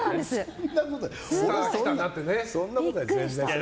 そんなことないよ！